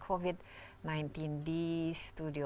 ketua bidang leteran